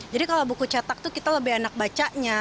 jadi kalau buku cetak itu kita lebih enak bacanya